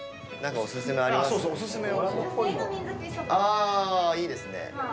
あいいですね。